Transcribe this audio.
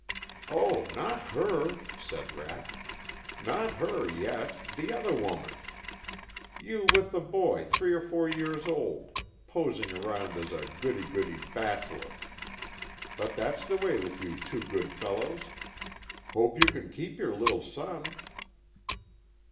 "Oh, not her!" said Rapp. "Not her yet; the other woman. You with a boy three or four years old, posing around as a goody goody bachelor. But that's the way with you too good fellows. Hope you can keep your little son."